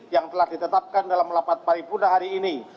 yang telah ditetapkan dalam rapat paripurna hari ini